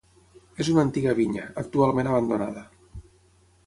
És una antiga vinya, actualment abandonada.